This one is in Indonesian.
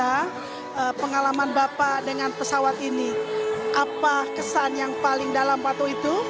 bagaimana pengalaman bapak dengan pesawat ini apa kesan yang paling dalam waktu itu